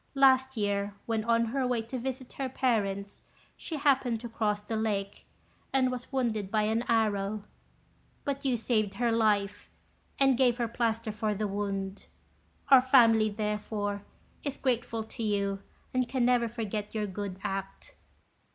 Last year, when on her way to visit her parents, she happened to cross the lake, and was wounded by an arrow; but you saved her life, and gave her plaster for the wound. Our family, therefore, is grateful to you, and can never forget your good act.